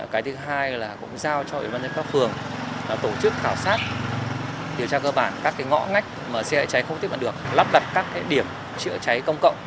cái thứ hai là cũng giao cho ủy ban nhân các phường tổ chức khảo sát điều tra cơ bản các ngõ ngách mà xe cháy không tiếp cận được lắp đặt các điểm chữa cháy công cộng